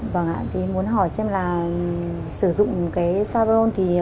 vâng ạ thì muốn hỏi xem là sử dụng cái saffron của mình thì như thế nào ạ